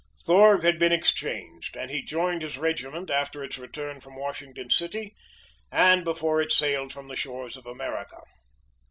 Thorg had been exchanged, and he joined his regiment after its return from Washington City, and before it sailed from the shores of America.